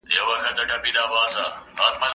زه پرون کتابتون ته ځم وم!؟